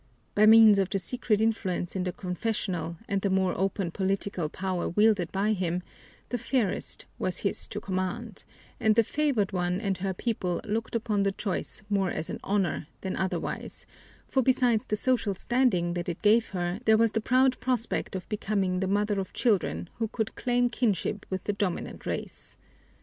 By means of the secret influence in the confessional and the more open political power wielded by him, the fairest was his to command, and the favored one and her people looked upon the choice more as an honor than otherwise, for besides the social standing that it gave her there was the proud prospect of becoming the mother of children who could claim kinship with the dominant race.